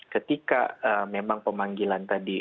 ketika memang pemanggilan tadi